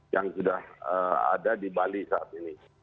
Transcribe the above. yang sudah ada di bali saat ini